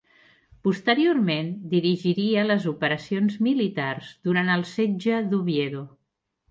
Posteriorment dirigiria les operacions militars durant el setge d'Oviedo.